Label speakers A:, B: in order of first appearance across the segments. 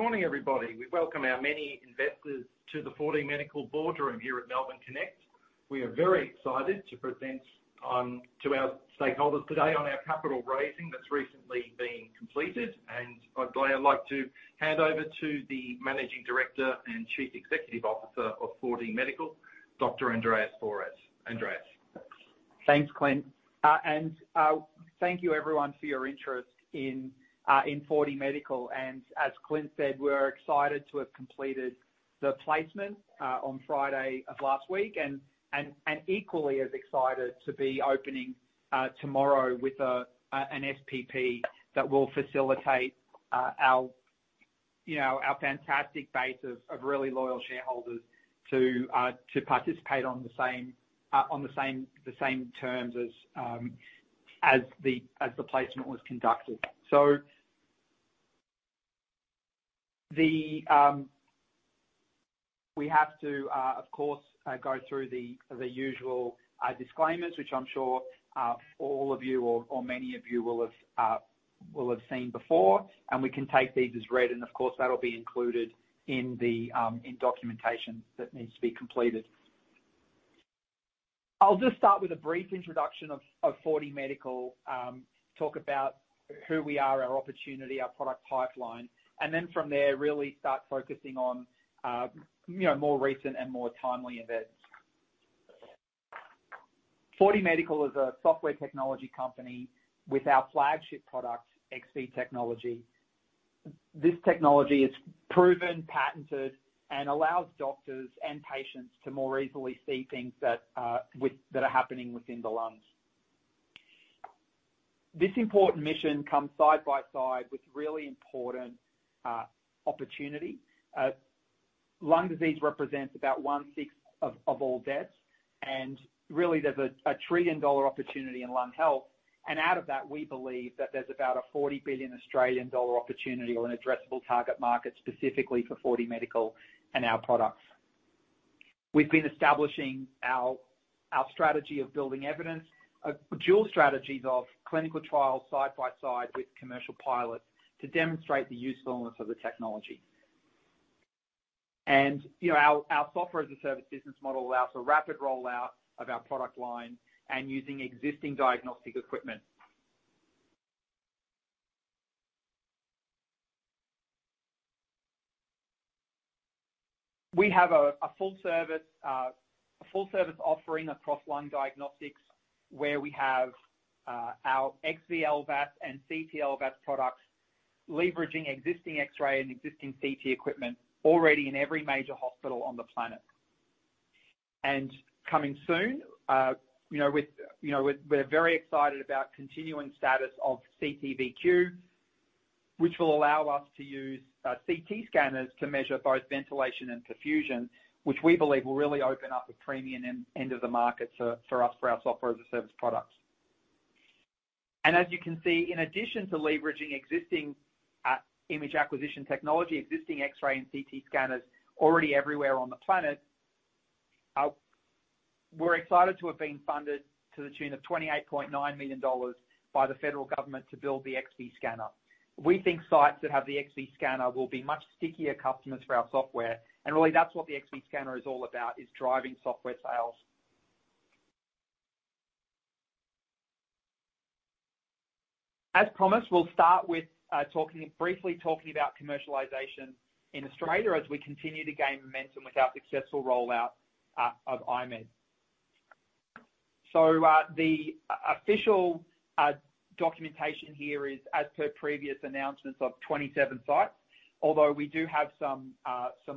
A: Good morning, everybody. We welcome our many investors to the 4DMedical boardroom here at Melbourne Connect. We are very excited to present, to our stakeholders today on our capital raising that's recently been completed. I'd like to hand over to the Managing Director and Chief Executive Officer of 4DMedical, Dr. Andreas Fouras. Andreas?
B: Thanks, Clint. Thank you everyone for your interest in 4DMedical. As Clint said, we're excited to have completed the placement on Friday of last week and equally as excited to be opening tomorrow with an SPP that will facilitate our, you know, our fantastic base of really loyal shareholders to participate on the same terms as the placement was conducted. We have to, of course, go through the usual disclaimers, which I'm sure all of you or many of you will have seen before. We can take these as read, and of course, that'll be included in the documentation that needs to be completed. I'll just start with a brief introduction of 4DMedical, talk about who we are, our opportunity, our product pipeline, from there really start focusing on, you know, more recent and more timely events. 4DMedical is a software technology company with our flagship product, XV Technology. This technology is proven, patented, and allows doctors and patients to more easily see things that are happening within the lungs. This important mission comes side by side with really important opportunity. Lung disease represents about one-sixth of all deaths, really there's a trillion-dollar opportunity in lung health, out of that, we believe that there's about a 40 billion Australian dollar opportunity or an addressable target market specifically for 4DMedical and our products. We've been establishing our strategy of building evidence, a dual strategies of clinical trials side by side with commercial pilots to demonstrate the usefulness of the technology. You know, our Software as a Service business model allows a rapid rollout of our product line and using existing diagnostic equipment. We have a full service offering across lung diagnostics, where we have our XV LVAS and CT LVAS products, leveraging existing X-ray and existing CT equipment already in every major hospital on the planet. Coming soon, you know, we're very excited about continuing status of CT:VQ, which will allow us to use CT scanners to measure both ventilation and perfusion, which we believe will really open up a premium end of the market for us for our Software as a Service product. As you can see, in addition to leveraging existing image acquisition technology, existing X-ray and CT Scanners already everywhere on the planet, we're excited to have been funded to the tune of $28.9 million by the federal government to build the XV Scanner. We think sites that have the XV Scanner will be much stickier customers for our software, and really that's what the XV Scanner is all about, is driving software sales. As promised, we'll start with talking, briefly talking about commercialization in Australia as we continue to gain momentum with our successful rollout of I-MED. The official documentation here is as per previous announcements of 27 sites, although we do have some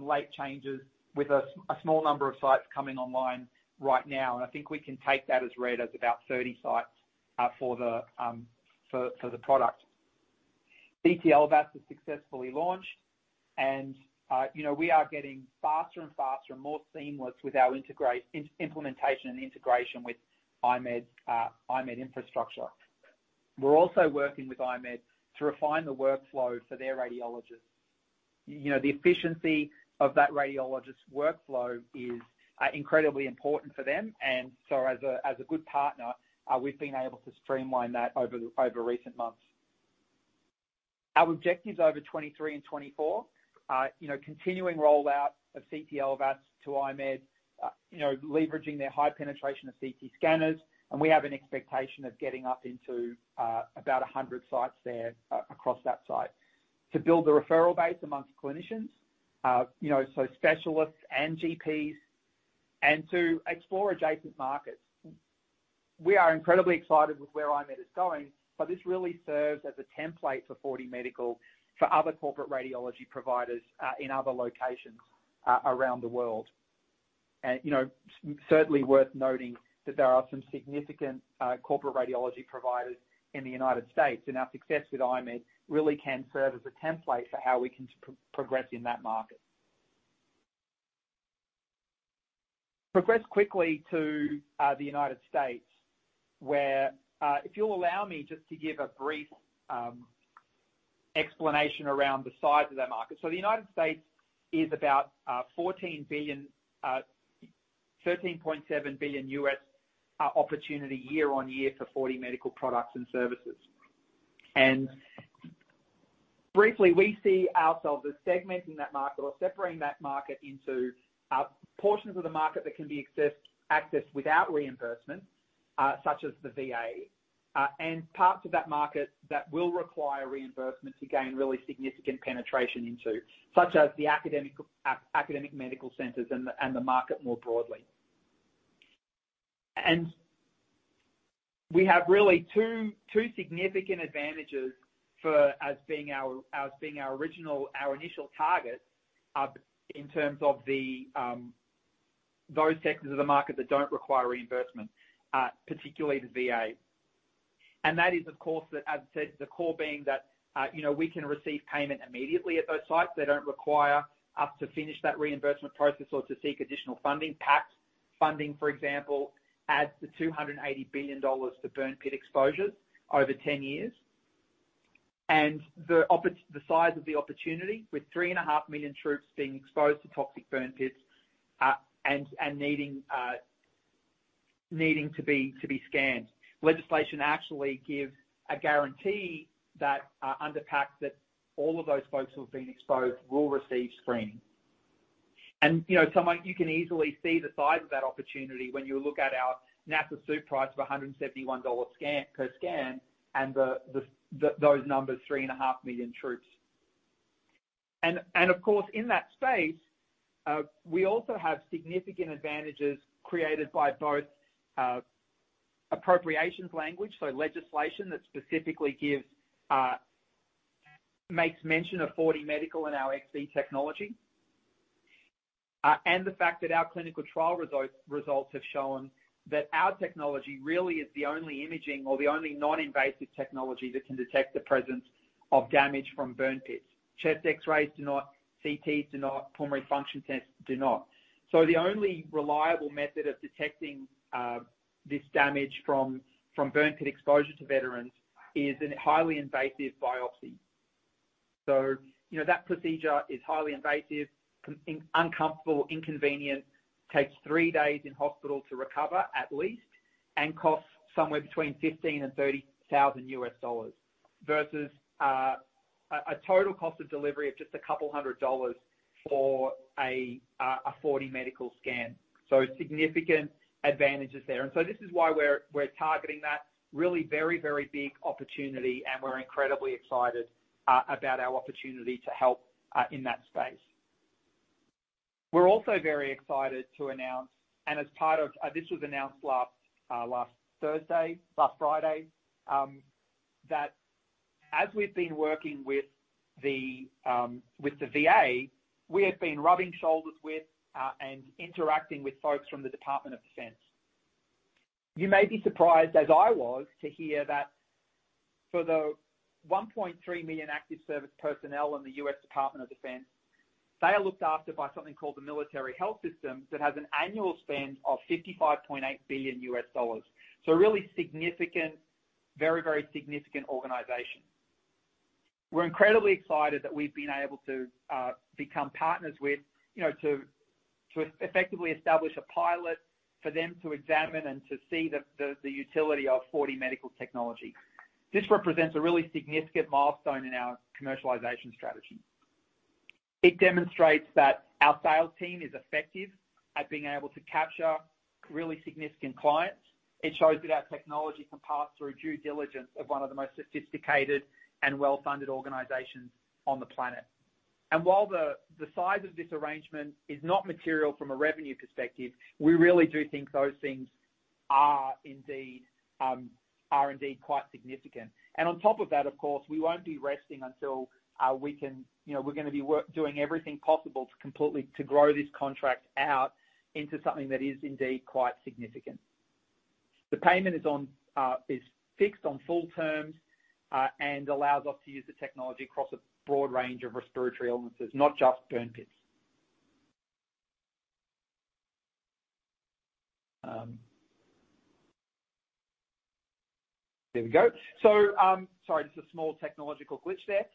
B: late changes with a small number of sites coming online right now. I think we can take that as read as about 30 sites for the product. CT LVAS was successfully launched, and you know, we are getting faster and faster and more seamless with our implementation and integration with I-MED infrastructure. We're also working with I-MED to refine the workflow for their radiologists. You know, the efficiency of that radiologist's workflow is incredibly important for them. As a good partner, we've been able to streamline that over recent months. Our objectives over 2023 and 2024, you know, continuing rollout of CT LVAS to I-MED, you know, leveraging their high penetration of CT scanners, and we have an expectation of getting up into about 100 sites there across that site. To build the referral base amongst clinicians, you know, so specialists and GPs, to explore adjacent markets. We are incredibly excited with where I-MED is going, this really serves as a template for 4DMedical, for other corporate radiology providers, in other locations around the world. You know, certainly worth noting that there are some significant corporate radiology providers in the United States, and our success with I-MED really can serve as a template for how we can progress in that market. Progress quickly to the United States, where, if you'll allow me just to give a brief explanation around the size of that market. The United States is about $13.7 billion US opportunity year on year for 4DMedical products and services. Briefly, we see ourselves as segmenting that market or separating that market into portions of the market that can be accessed without reimbursement, such as the VA, and parts of that market that will require reimbursement to gain really significant penetration into, such as the academic medical centers and the, and the market more broadly. We have really two significant advantages for as being our original, our initial target, in terms of the those sectors of the market that don't require reimbursement, particularly the VA. That is, of course, that as I said, the core being that, you know, we can receive payment immediately at those sites. They don't require us to finish that reimbursement process or to seek additional funding. PACT funding, for example, adds $280 billion to burn pit exposures over 10 years. The size of the opportunity with 3.5 million troops being exposed to toxic burn pits, and needing to be scanned. Legislation actually gives a guarantee that under PACT, that all of those folks who have been exposed will receive screening. You know, you can easily see the size of that opportunity when you look at our NAS price of a $171 per scan, and those numbers, 3.5 million troops. Of course, in that space, we also have significant advantages created by both appropriations language, so legislation that specifically gives, makes mention of 4DMedical and our XV Technology, and the fact that our clinical trial results have shown that our technology really is the only imaging or the only non-invasive technology that can detect the presence of damage from burn pits. Chest X-rays do not, CTs do not, pulmonary function tests do not. The only reliable method of detecting this damage from burn pit exposure to veterans is an highly invasive biopsy. You know, that procedure is highly invasive, uncomfortable, inconvenient, takes 3 days in hospital to recover, at least, and costs somewhere between $15,000 and $30,000 U.S. dollars, versus, a total cost of delivery of just $200 for a 4DMedical scan. Significant advantages there. This is why we're targeting that really very, very big opportunity, and we're incredibly excited about our opportunity to help in that space. We're also very excited to announce. This was announced last Thursday, last Friday, that as we've been working with the VA, we have been rubbing shoulders with and interacting with folks from the Department of Defense. You may be surprised, as I was, to hear that for the 1.3 million active service personnel in the U.S. Department of Defense, they are looked after by something called the Military Health System that has an annual spend of $55.8 billion. A really significant, very, very significant organization. We're incredibly excited that we've been able to become partners with, you know, to effectively establish a pilot for them to examine and to see the utility of 4DMedical technology. This represents a really significant milestone in our commercialization strategy. It demonstrates that our sales team is effective at being able to capture really significant clients. It shows that our technology can pass through a due diligence of one of the most sophisticated and well-funded organizations on the planet. While the size of this arrangement is not material from a revenue perspective, we really do think those things are indeed quite significant. On top of that, of course, we won't be resting until we can, you know, we're gonna be doing everything possible to completely grow this contract out into something that is indeed quite significant. The payment is on, is fixed on full terms, and allows us to use the technology across a broad range of respiratory illnesses, not just burn pits. There we go. Sorry, just a small technological glitch there.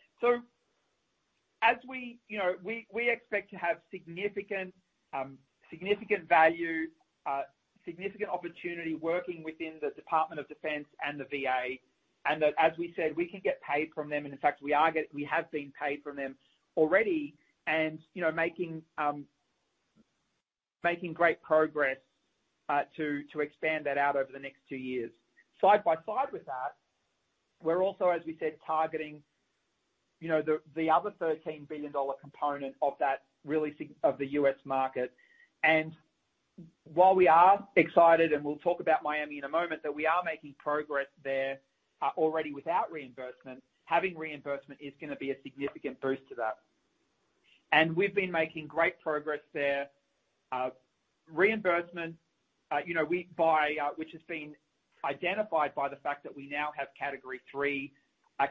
B: As we, you know, we expect to have significant value, significant opportunity working within the Department of Defense and the VA. That, as we said, we can get paid from them, and in fact, we have been paid from them already. You know, making great progress to expand that out over the next two years. Side by side with that, we're also, as we said, targeting the other $13 billion component of that really of the U.S. market. While we are excited, and we'll talk about Miami in a moment, that we are making progress there already without reimbursement, having reimbursement is gonna be a significant boost to that. We've been making great progress there. Reimbursement, which has been identified by the fact that we now have Category III, a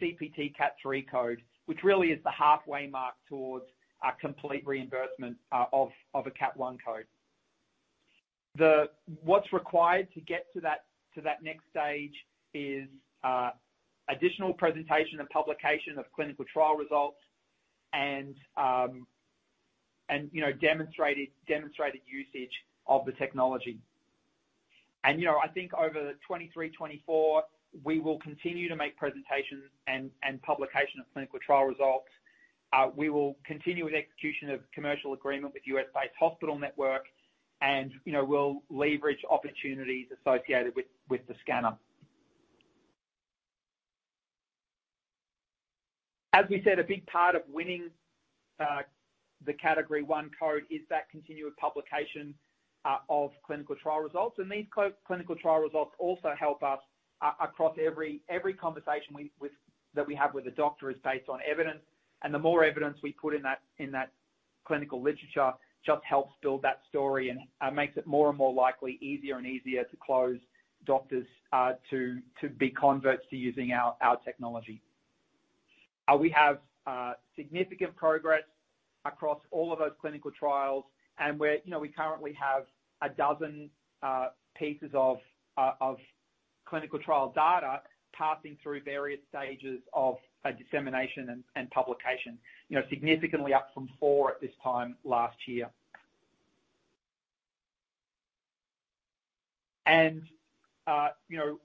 B: CPT Category III code, which really is the halfway mark towards a complete reimbursement of a Category I code. What's required to get to that next stage is additional presentation and publication of clinical trial results. Demonstrated usage of the technology. I think over 2023, 2024, we will continue to make presentations and publication of clinical trial results. We will continue with execution of commercial agreement with U.S.-based hospital network, you know, we'll leverage opportunities associated with the scanner. As we said, a big part of winning the Category I code is that continued publication of clinical trial results. These clinical trial results also help us across every conversation that we have with a doctor is based on evidence, and the more evidence we put in that, in that clinical literature, just helps build that story and makes it more and more likely, easier and easier to close doctors to be converts to using our technology. We have significant progress across all of those clinical trials, and we're... You know, we currently have 12 pieces of clinical trial data passing through various stages of dissemination and publication, you know, significantly up from 4 at this time last year. You know,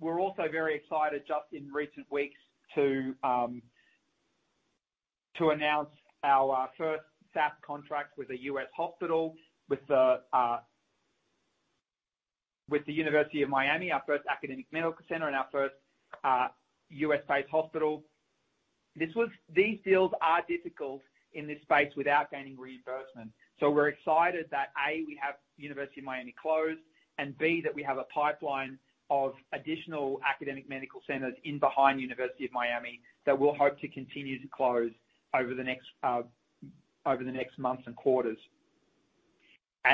B: we're also very excited, just in recent weeks to announce our first SaaS contract with a US hospital, with the University of Miami, our first academic medical center and our first US-based hospital. These deals are difficult in this space without gaining reimbursement, we're excited that, A, we have University of Miami closed, and B, that we have a pipeline of additional academic medical centers in behind University of Miami that we'll hope to continue to close over the next months and quarters.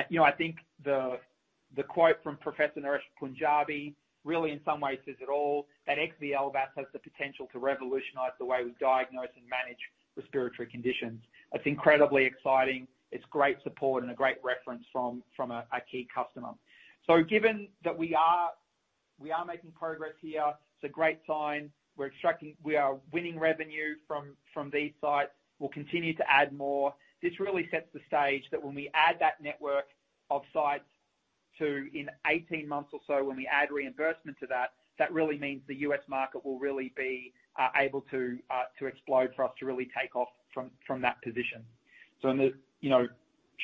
B: you know, I think the quote from Professor Naresh Punjabi really, in some ways, says it all, that XV LVAS has the potential to revolutionize the way we diagnose and manage respiratory conditions. It's incredibly exciting. It's great support and a great reference from a key customer. Given that we are making progress here, it's a great sign. We are winning revenue from these sites. We'll continue to add more. This really sets the stage that when we add that network of sites to, in 18 months or so, when we add reimbursement to that really means the U.S. market will really be able to explode for us to really take off from that position. In the, you know,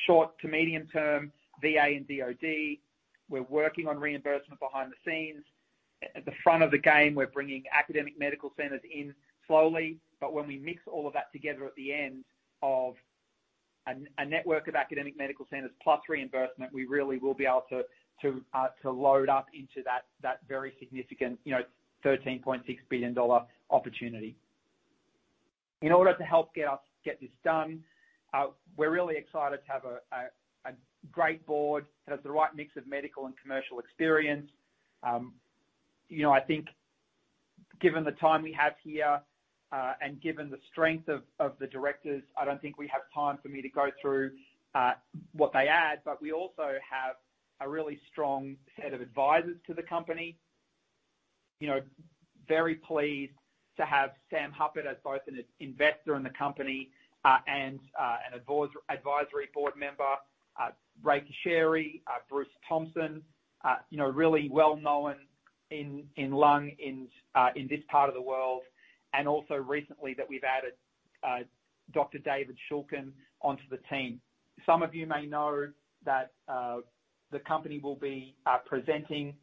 B: short to medium term, VA and DOD, we're working on reimbursement behind the scenes. At the front of the game, we're bringing academic medical centers in slowly, when we mix all of that together at the end of a network of academic medical centers plus reimbursement, we really will be able to load up into that very significant, you know, $13.6 billion opportunity. In order to help get this done, we're really excited to have a great board that has the right mix of medical and commercial experience. You know, I think given the time we have here, given the strength of the directors, I don't think we have time for me to go through what they add, we also have a really strong set of advisors to the company. You know, very pleased to have Sam Hupert as both an investor in the company and an advisory board member. Raelene Cherrie, Bruce Thompson, you know, really well-known in lung in this part of the world. Also recently that we've added Dr. David Shulkin onto the team. Some of you may know that the company will be presenting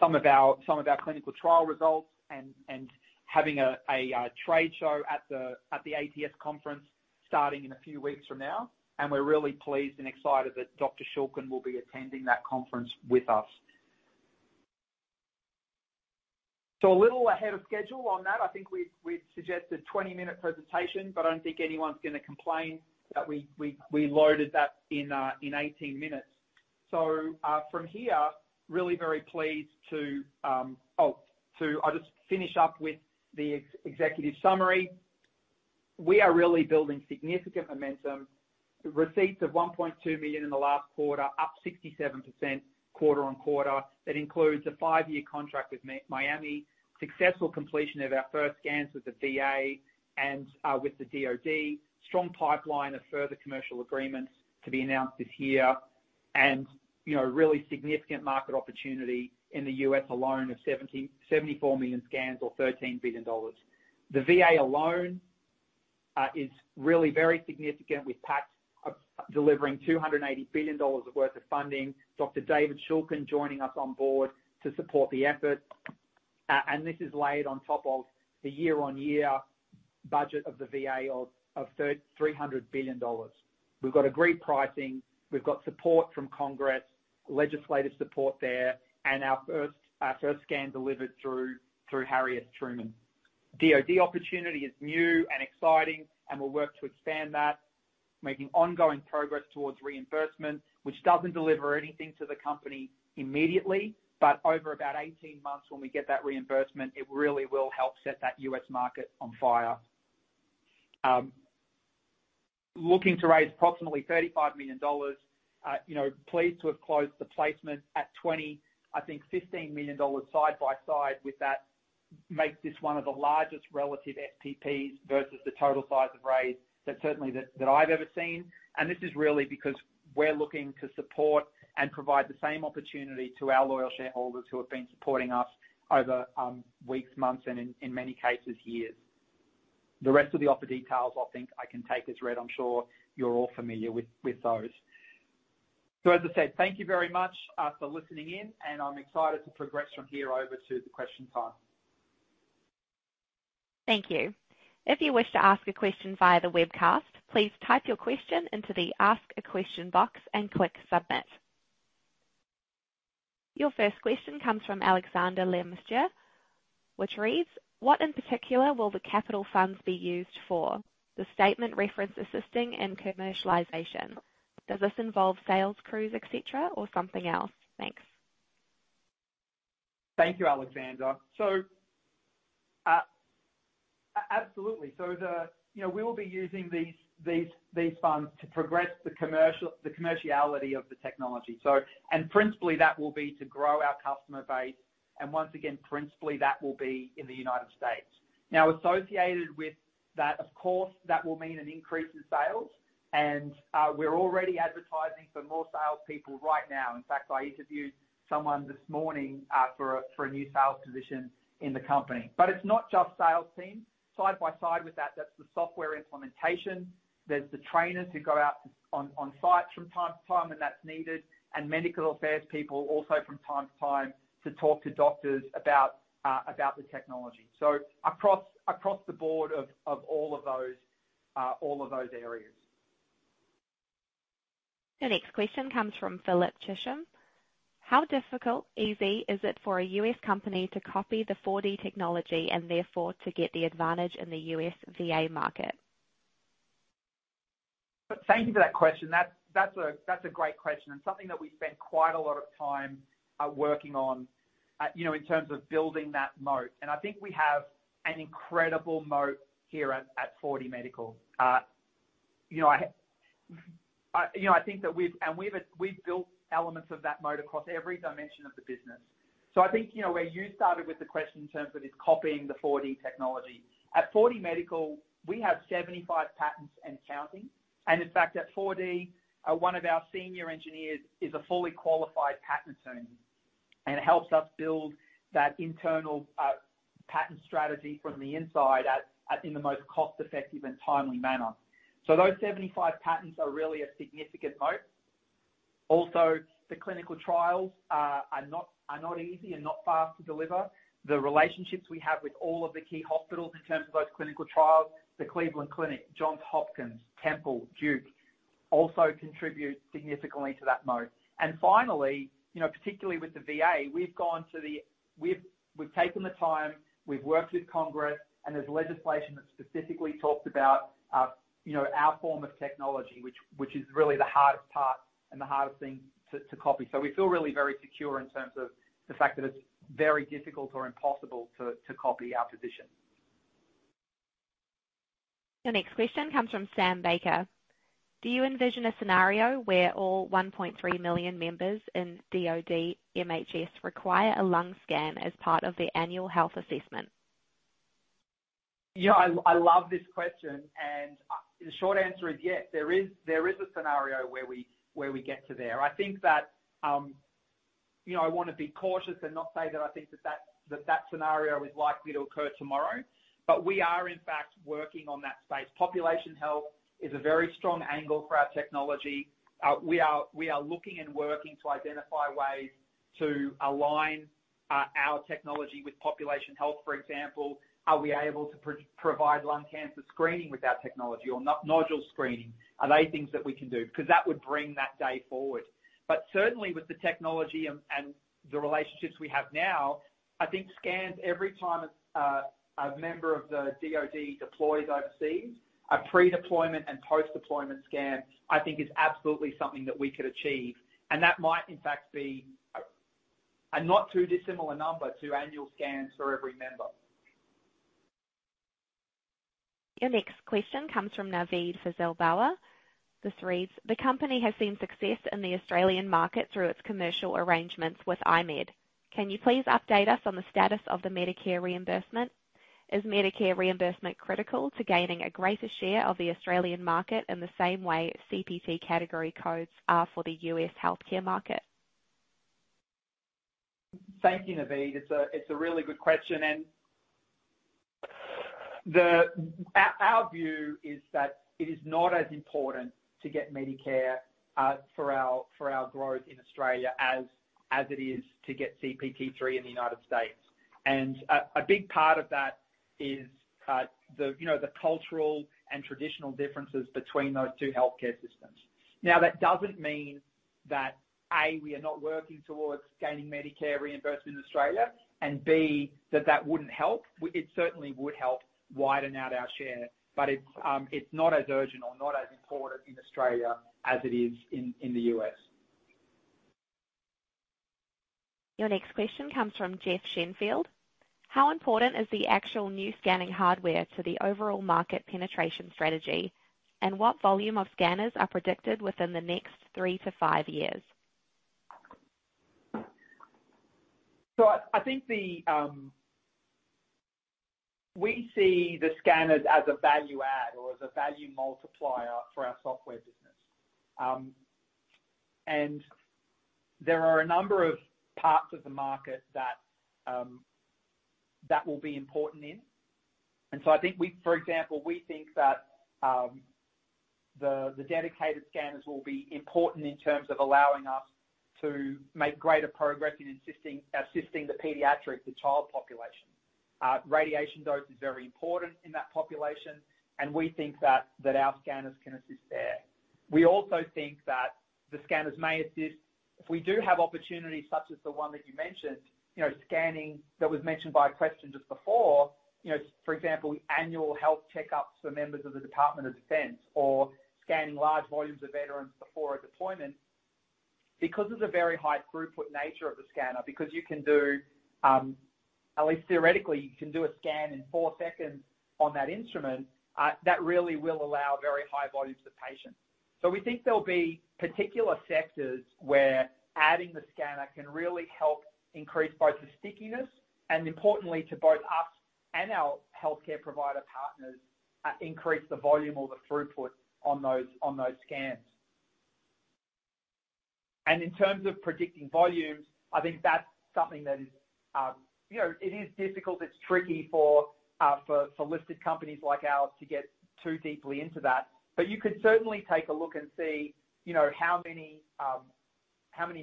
B: some of our clinical trial results and having a trade show at the ATS conference starting in a few weeks from now. We're really pleased and excited that Dr. Shulkin will be attending that conference with us. A little ahead of schedule on that. I think we'd suggested 20-minute presentation. I don't think anyone's gonna complain that we loaded that in 18 minutes. From here, really very pleased to finish up with the executive summary. We are really building significant momentum. Receipts of $1.2 million in the last quarter, up 67% quarter on quarter. That includes a five-year contract with Miami, successful completion of our first scans with the VA and with the DOD, strong pipeline of further commercial agreements to be announced this year. You know, really significant market opportunity in the US alone of 74 million scans or $13 billion. The VA alone is really very significant with PACT delivering $280 billion of worth of funding, Dr. David Shulkin joining us on board to support the effort. This is laid on top of the year-on-year budget of the VA of $300 billion. We've got agreed pricing, we've got support from Congress, legislative support there, our first scan delivered through Harry S. Truman. DOD opportunity is new and exciting, we'll work to expand that, making ongoing progress towards reimbursement, which doesn't deliver anything to the company immediately, but over about 18 months when we get that reimbursement, it really will help set that U.S. market on fire. Looking to raise approximately 35 million dollars. You know, pleased to have closed the placement at 20 million. I think 15 million dollars side by side with that makes this one of the largest relative SPPs versus the total size of raise that certainly that I've ever seen. This is really because we're looking to support and provide the same opportunity to our loyal shareholders who have been supporting us over weeks, months, and in many cases, years. The rest of the offer details, I think I can take as read. I'm sure you're all familiar with those. As I said, thank you very much for listening in, and I'm excited to progress from here over to the question time.
C: Thank you. If you wish to ask a question via the webcast, please type your question into the Ask a Question box and click Submit. Your first question comes from Alexander Lemsger, which reads, "What in particular will the capital funds be used for? The statement referenced assisting in commercialization. Does this involve sales crews, et cetera, or something else? Thanks.
B: Thank you, Alexander. Absolutely. You know, we will be using these funds to progress the commerciality of the technology. Principally, that will be to grow our customer base, and once again, principally, that will be in the United States. Associated with that, of course, that will mean an increase in sales, and we're already advertising for more salespeople right now. In fact, I interviewed someone this morning for a new sales position in the company. It's not just sales teams. Side by side with that's the software implementation. There's the trainers who go out on site from time to time, and that's needed. Medical affairs people also from time to time to talk to doctors about the technology. Across the board of all of those areas.
C: Your next question comes from Philip Chisholm. How difficult/easy is it for a U.S. company to copy the 4D technology and therefore to get the advantage in the U.S. VA market?
B: Thank you for that question. That's a great question and something that we've spent quite a lot of time working on, you know, in terms of building that moat. I think we have an incredible moat here at 4DMedical. You know, I think that we've built elements of that moat across every dimension of the business. I think, you know, where you started with the question in terms of is copying the 4D technology. At 4DMedical, we have 75 patents and counting. In fact, at 4D, one of our senior engineers is a fully qualified patent attorney and helps us build that internal patent strategy from the inside in the most cost-effective and timely manner. Those 75 patents are really a significant moat. The clinical trials are not easy and not fast to deliver. The relationships we have with all of the key hospitals in terms of those clinical trials, the Cleveland Clinic, Johns Hopkins, Temple, Duke, also contribute significantly to that moat. Finally, you know, particularly with the VA, we've taken the time, we've worked with Congress, and there's legislation that specifically talks about, you know, our form of technology, which is really the hardest part and the hardest thing to copy. We feel really very secure in terms of the fact that it's very difficult or impossible to copy our position.
C: Your next question comes from Sam Baker. Do you envision a scenario where all 1.3 million members in DOD MHS require a lung scan as part of their annual health assessment?
B: Yeah, I love this question. The short answer is yes, there is a scenario where we get to there. I think that, you know, I wanna be cautious and not say that I think that that scenario is likely to occur tomorrow. We are, in fact, working on that space. Population health is a very strong angle for our technology. We are looking and working to identify ways to align our technology with population health. For example, are we able to provide lung cancer screening with our technology or no-nodule screening? Are they things that we can do? That would bring that day forward. Certainly, with the technology and the relationships we have now, I think scans every time a member of the DoD deploys overseas, a pre-deployment and post-deployment scan, I think is absolutely something that we could achieve. That might in fact be a not too dissimilar number to annual scans for every member.
C: Your next question comes from Naveed Fazelbauer. This reads, "The company has seen success in the Australian market through its commercial arrangements with I-MED. Can you please update us on the status of the Medicare reimbursement? Is Medicare reimbursement critical to gaining a greater share of the Australian market in the same way CPT category codes are for the U.S. healthcare market?
B: Thank you, Naveed. It's a really good question. Our view is that it is not as important to get Medicare for our growth in Australia as it is to get CPT three in the United States. A big part of that is, you know, the cultural and traditional differences between those two healthcare systems. Now, that doesn't mean that, A, we are not working towards gaining Medicare reimbursement in Australia, and B, that wouldn't help. It certainly would help widen out our share, but it's not as urgent or not as important in Australia as it is in the U.S.
C: Your next question comes from Jeff Shenfield. How important is the actual new scanning hardware to the overall market penetration strategy? What volume of scanners are predicted within the next 3-5 years?
B: We see the scanners as a value add or as a value multiplier for our software business. There are a number of parts of the market that will be important in. I think we, for example, we think that the dedicated scanners will be important in terms of allowing us to make greater progress in assisting the pediatric, the child population. Radiation dose is very important in that population, and we think that our scanners can assist there. We also think that the scanners may assist if we do have opportunities such as the one that you mentioned, you know, scanning, that was mentioned by a question just before. You know, for example, annual health checkups for members of the Department of Defense or scanning large volumes of veterans before a deployment. Because of the very high throughput nature of the scanner, because you can do, at least theoretically, you can do a scan in 4 seconds on that instrument, that really will allow very high volumes of patients. We think there'll be particular sectors where adding the scanner can really help increase both the stickiness and importantly, to both us and our healthcare provider partners, increase the volume or the throughput on those, on those scans. In terms of predicting volumes, I think that's something that is, you know, it is difficult. It's tricky for listed companies like ours to get too deeply into that. You can certainly take a look and see, you know, how many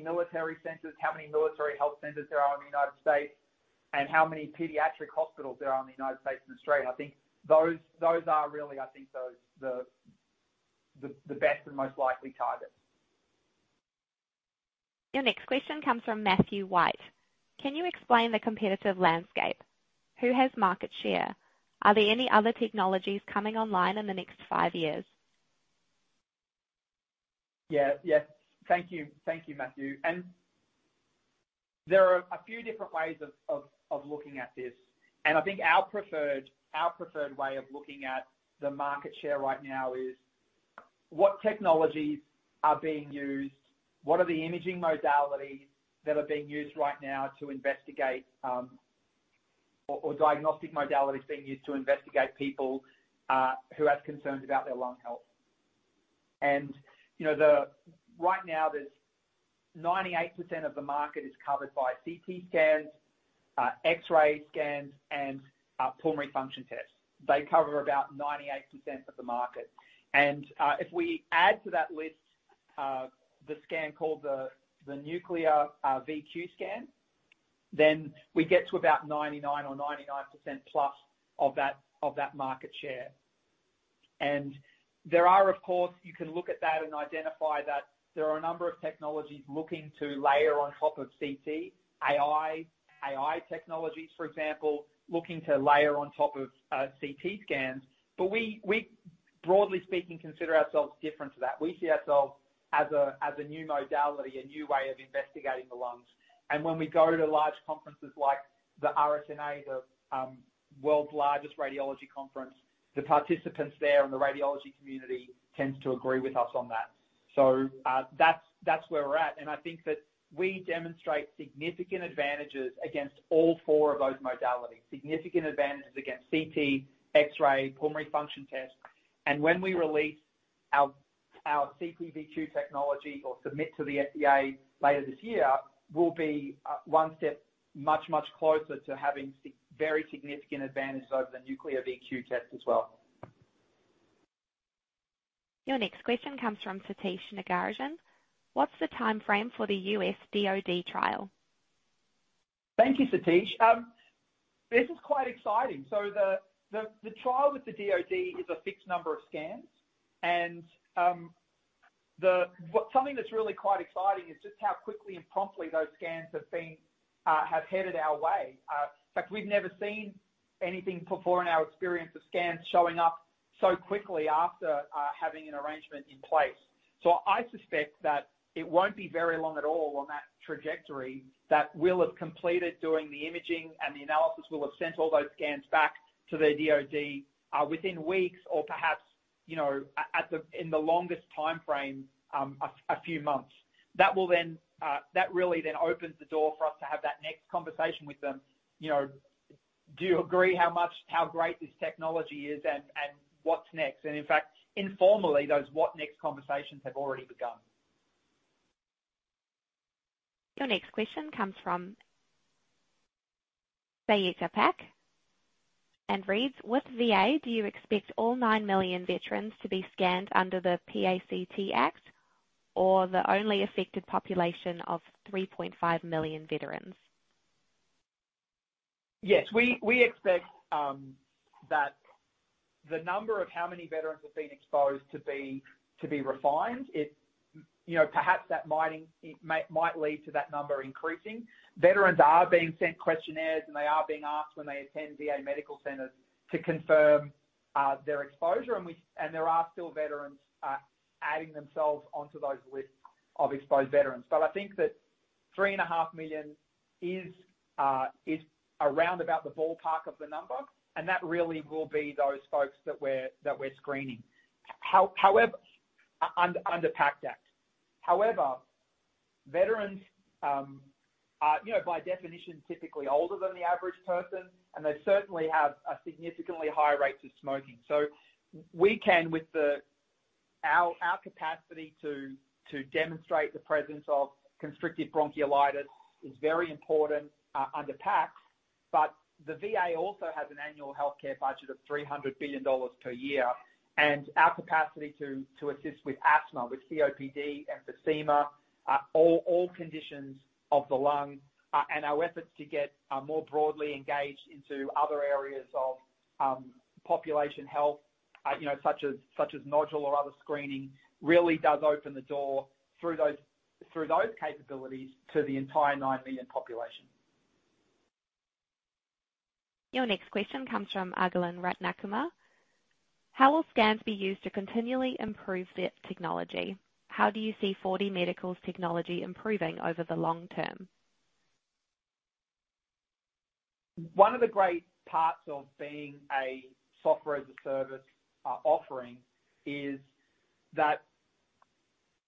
B: military centers, how many military health centers there are in the United States and how many pediatric hospitals there are in the United States and Australia. I think those are really, I think those, the best and most likely targets.
C: Your next question comes from Matthew White. Can you explain the competitive landscape? Who has market share? Are there any other technologies coming online in the next 5 years?
B: Yeah, yes. Thank you. Thank you, Matthew. There are a few different ways of looking at this, and I think our preferred way of looking at the market share right now is what technologies are being used, what are the imaging modalities that are being used right now to investigate or diagnostic modalities being used to investigate people who have concerns about their lung health. You know, right now, there's 98% of the market is covered by CT scans, X-ray scans and pulmonary function tests. They cover about 98% of the market. If we add to that list, the scan called the nuclear CT:VQ scan, then we get to about 99% or 99% plus of that market share. There are, of course, you can look at that and identify that there are a number of technologies looking to layer on top of CT, AI technologies, for example, looking to layer on top of CT scans. We broadly speaking, consider ourselves different to that. We see ourselves as a new modality, a new way of investigating the lungs. When we go to large conferences like the RSNA, the world's largest radiology conference, the participants there and the radiology community tends to agree with us on that. That's where we're at. I think that we demonstrate significant advantages against all four of those modalities. Significant advantages against CT, X-ray, pulmonary function tests. When we release our CT:VQ technology or submit to the FDA later this year, we'll be one step much closer to having very significant advantages over the nuclear CT:VQ test as well.
C: Your next question comes from Satish Nagarajan. What's the timeframe for the US DoD trial?
B: Thank you, Satish. This is quite exciting. The trial with the DoD is a fixed number of scans. Something that's really quite exciting is just how quickly and promptly those scans have headed our way. In fact, we've never seen anything before in our experience of scans showing up so quickly after having an arrangement in place. I suspect that it won't be very long at all on that trajectory that we'll have completed doing the imaging and the analysis. We'll have sent all those scans back to the DoD within weeks or perhaps, you know, at the longest timeframe, a few months. That really then opens the door for us to have that next conversation with them. You know, "Do you agree how much, how great this technology is and what's next?" In fact, informally, those what next conversations have already begun.
C: Your next question comes from Sayica Pack and reads: With VA, do you expect all 9 million veterans to be scanned under the PACT Act or the only affected population of 3.5 million veterans?
B: Yes. We expect that the number of how many veterans have been exposed to be refined. You know, perhaps that might lead to that number increasing. Veterans are being sent questionnaires, they are being asked when they attend VA medical centers to confirm their exposure. There are still veterans adding themselves onto those lists of exposed veterans. I think that 3.5 million is around about the ballpark of the number, and that really will be those folks that we're screening. However, under PACT Act. Veterans, you know, by definition, typically older than the average person, they certainly have significantly higher rates of smoking. We can, with the... Our capacity to demonstrate the presence of constrictive bronchiolitis is very important under PACT, but the VA also has an annual healthcare budget of $300 billion per year, and our capacity to assist with asthma, with COPD, emphysema, all conditions of the lung, and our efforts to get more broadly engaged into other areas of population health, you know, such as nodule or other screening, really does open the door through those capabilities to the entire 9 million population.
C: Your next question comes from Agilan Ratnakumar. How will scans be used to continually improve the technology? How do you see 4DMedical's technology improving over the long term?
B: One of the great parts of being a software-as-a-service offering is that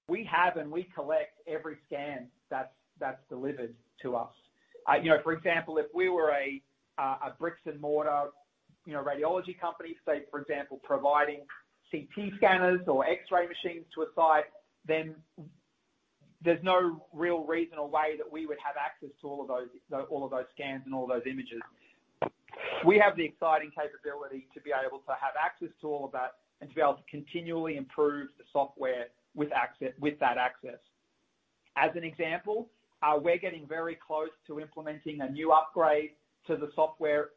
B: we have and we collect every scan that's delivered to us. You know, for example, if we were a bricks and mortar, you know, radiology company, say for example, providing CT scanners or X-ray machines to a site, then there's no real reason or way that we would have access to all of those, all of those scans and all of those images. We have the exciting capability to be able to have access to all of that and to be able to continually improve the software with access with that access. As an example, we're getting very close to implementing a new upgrade to the software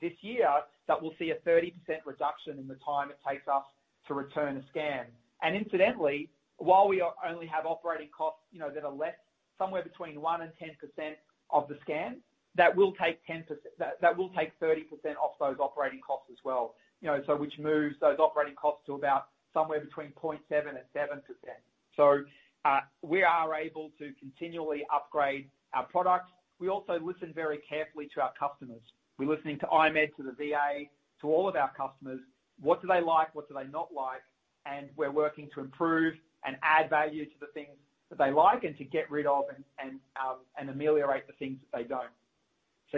B: this year that will see a 30% reduction in the time it takes us to return a scan. Incidentally, while we only have operating costs, you know, that are less, somewhere between 1% and 10% of the scan, that will take 10% that will take 30% off those operating costs as well. You know, which moves those operating costs to about somewhere between 0.7% and 7%. We are able to continually upgrade our products. We also listen very carefully to our customers. We're listening to I-MED, to the VA, to all of our customers. What do they like? What do they not like? We're working to improve and add value to the things that they like and to get rid of and ameliorate the things that they don't.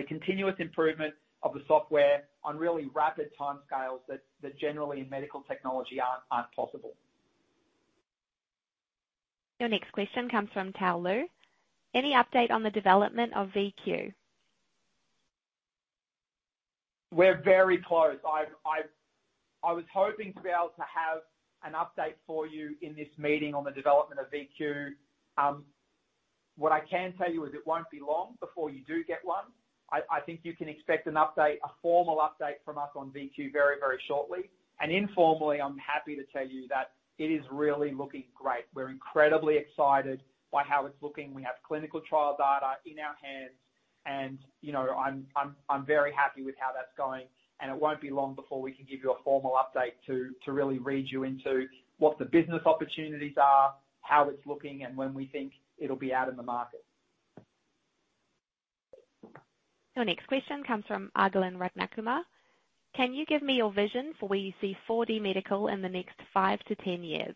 B: Continuous improvement of the software on really rapid timescales that generally in medical technology aren't possible.
C: Your next question comes from Tao Lu. Any update on the development of CT:VQ?
B: We're very close. I was hoping to be able to have an update for you in this meeting on the development of CT:VQ. What I can tell you is it won't be long before you do get one. I think you can expect an update, a formal update from us on CT:VQ very, very shortly. Informally, I'm happy to tell you that it is really looking great. We're incredibly excited by how it's looking. We have clinical trial data in our hands and, you know, I'm very happy with how that's going, and it won't be long before we can give you a formal update to really read you into what the business opportunities are, how it's looking, and when we think it'll be out in the market.
C: Your next question comes from Agilan Ratnakumar. Can you give me your vision for where you see 4DMedical in the next 5-10 years?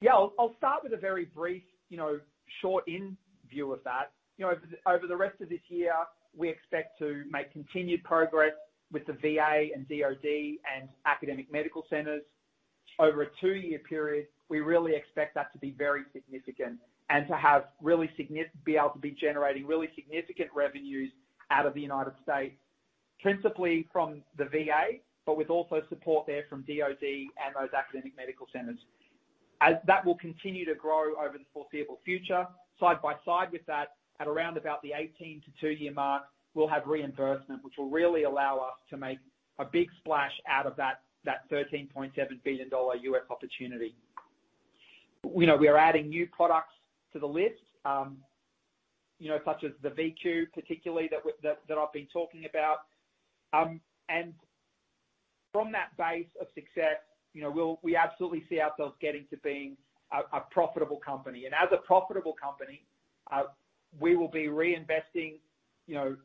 B: Yeah. I'll start with a very brief, you know, short in view of that. You know, over the rest of this year, we expect to make continued progress with the VA and DOD and academic medical centers. Over a two-year period, we really expect that to be very significant and to have really be able to be generating really significant revenues out of the United States, principally from the VA, but with also support there from DOD and those academic medical centers. That will continue to grow over the foreseeable future. Side by side with that, at around about the 18 to two-year mark, we'll have reimbursement, which will really allow us to make a big splash out of that $13.7 billion US opportunity. You know, we are adding new products to the list, you know, such as the CT:VQ particularly that I've been talking about. From that base of success, you know, we absolutely see ourselves getting to being a profitable company. As a profitable company, we will be reinvesting, you know,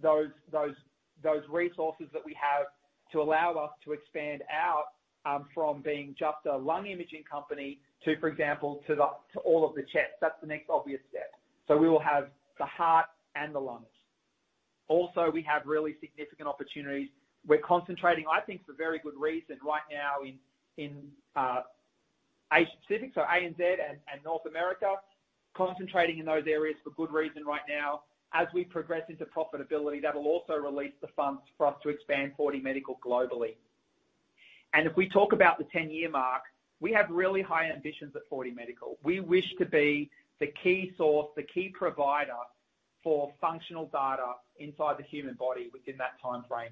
B: those resources that we have to allow us to expand out from being just a lung imaging company to, for example, to all of the chest. That's the next obvious step. We will have the heart and the lungs. We have really significant opportunities. We're concentrating, I think, for very good reason right now in Asia-Pacific, so ANZ and North America, concentrating in those areas for good reason right now. As we progress into profitability, that'll also release the funds for us to expand 4DMedical globally. If we talk about the ten-year mark, we have really high ambitions at 4DMedical. We wish to be the key source, the key provider for functional data inside the human body within that timeframe.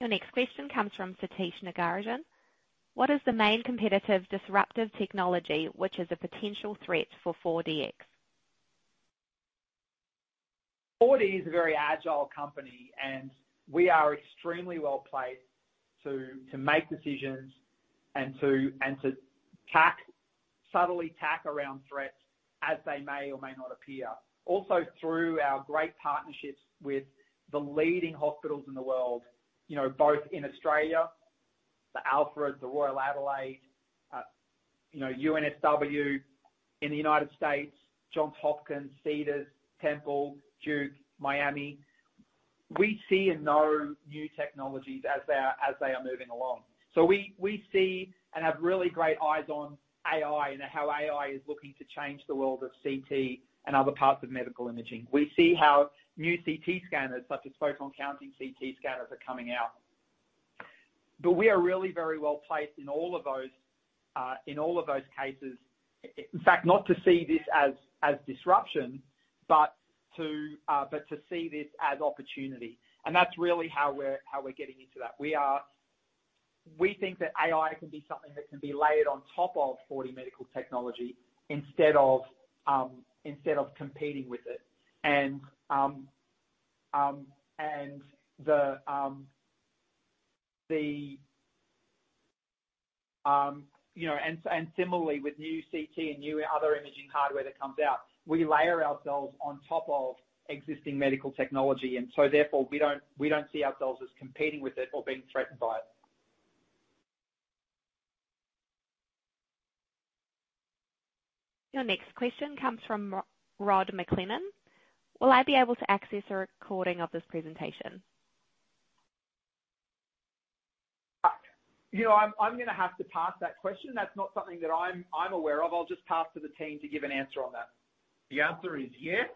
C: Your next question comes from Satish Nagarajan. What is the main competitive disruptive technology which is a potential threat for 4DX?
B: 4D is a very agile company, and we are extremely well-placed to make decisions and to tack, subtly tack around threats as they may or may not appear. Through our great partnerships with the leading hospitals in the world, you know, both in Australia, The Alfred, The Royal Adelaide, you know, UNSW. In the United States, Johns Hopkins, Cedars-Sinai, Temple, Duke, Miami. We see and know new technologies as they are moving along. We see and have really great eyes on AI and how AI is looking to change the world of CT and other parts of medical imaging. We see how new CT scanners, such as photon-counting CT scanners, are coming out. We are really very well placed in all of those, in all of those cases. In fact, not to see this as disruption, but to see this as opportunity. That's really how we're getting into that. We think that AI can be something that can be layered on top of 4DMedical technology instead of competing with it. You know, and similarly with new CT and new other imaging hardware that comes out, we layer ourselves on top of existing medical technology, therefore we don't see ourselves as competing with it or being threatened by it.
C: Your next question comes from Rod McLennan. Will I be able to access a recording of this presentation?
B: You know, I'm gonna have to pass that question. That's not something that I'm aware of. I'll just pass to the team to give an answer on that.
A: The answer is yes.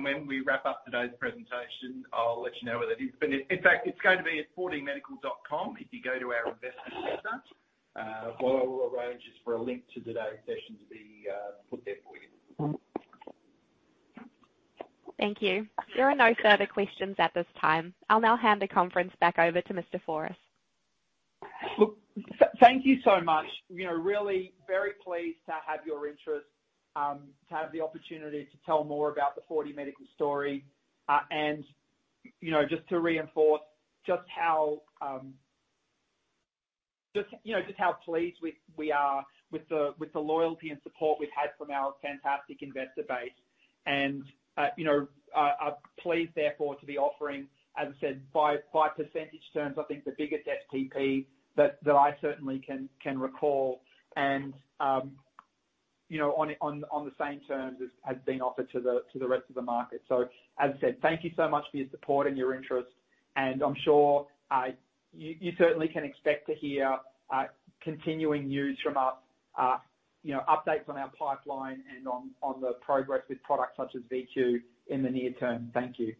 A: When we wrap up today's presentation, I'll let you know where that is. In fact, it's going to be at 4dmedical.com. If you go to our investment center, what I will arrange is for a link to today's session to be put there for you.
C: Thank you. There are no further questions at this time. I'll now hand the conference back over to Mr. Fouras.
B: Look, thank you so much. You know, really very pleased to have your interest, to have the opportunity to tell more about the 4DMedical story. You know, just to reinforce just how, just, you know, just how pleased we are with the loyalty and support we've had from our fantastic investor base. You know, I'm pleased therefore to be offering, as I said, by percentage terms, I think the biggest SPP that I certainly can recall and, you know, on the same terms as has been offered to the rest of the market. As I said, thank you so much for your support and your interest, and I'm sure, you certainly can expect to hear continuing news from us, you know, updates on our pipeline and on the progress with products such as CT:VQ in the near term. Thank you.